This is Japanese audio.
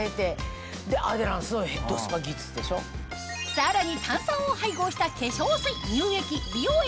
さらに炭酸を配合した化粧水乳液美容液